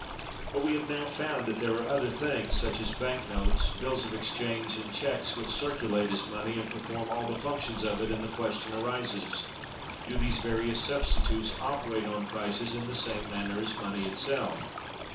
But we have now found that there are other things, such as bank notes, bills of exchange, and checks, which circulate as money, and perform all the functions of it, and the question arises, Do these various substitutes operate on prices in the same manner as money itself?